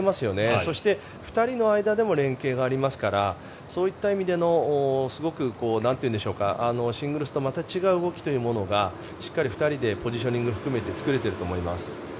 そして、２人の間でも連携がありますからそういった意味でのすごくシングルスとはまた違う動きというものがしっかり２人でポジショニング含めて作れていると思います。